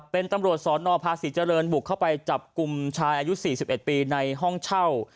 เป็นตำรวจสนภาษีเจริญบุกเข้าไปจับกลุ่มชายอายุ๔๑ปีในห้องเช่า